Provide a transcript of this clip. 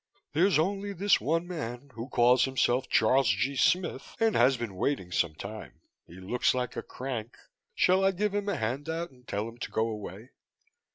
"There's only this one man who calls himself Charles G. Smith and has been waiting some time. He looks like a crank. Shall I give him a hand out and tell him to go away?"